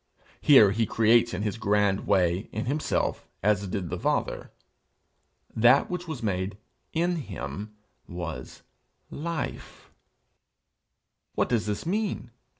Here he creates in his grand way, in himself, as did the Father. 'That which was made in him was life' What does this mean?